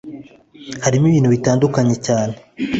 harimo ibintu bitandukanye cyane